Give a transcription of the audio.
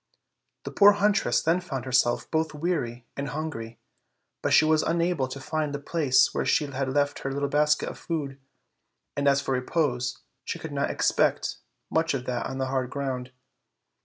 The poor huntress then found herself both weary and hungry; but she was unable to find the place where she had left her little basket of food, and as for repose, she I could not expect much of that on the hard ground.